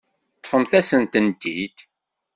Ṭṭfent-asen-tent-id.